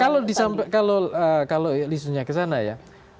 kalau disampaikan kalau listunya ke sana ya